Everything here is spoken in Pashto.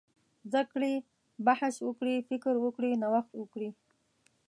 زده کړي، بحث وکړي، فکر وکړي، نوښت وکړي.